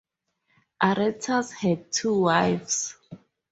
Aretas had two wives.